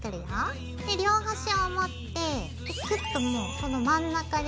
で両端を持ってキュッともうその真ん中で。